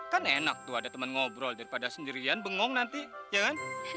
kan enak tuh ada teman ngobrol daripada sendirian bengong nanti ya kan